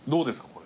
これ。